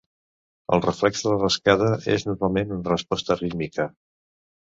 El reflex de la rascada és normalment una resposta rítmica.